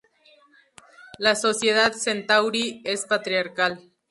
La sociedad centauri es patriarcal.